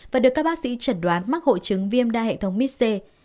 và được các bác sĩ chẩn đoán mắc hội chứng viêm đa hệ thống mis c